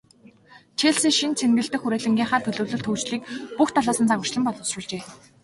Челси шинэ цэнгэлдэх хүрээлэнгийнхээ төлөвлөлт, хөгжлийг бүх талаас нь загварчлан боловсруулжээ.